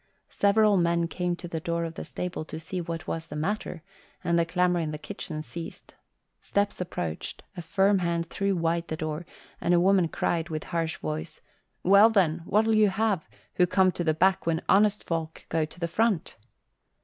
Several men came to the door of the stable to see what was the matter and the clamour in the kitchen ceased. Steps approached, a firm hand threw wide the door, and a woman cried with harsh voice, "Well, then, what'll you have, who come to the back when honest folk go to the front?"